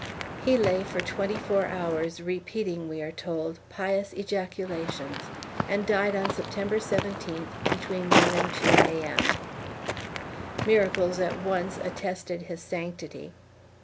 He lay for twenty four hours, repeating, we are told, pious ejaculations, and died on September 17th, between 1 and 2 A.M. Miracles at once attested his sanctity.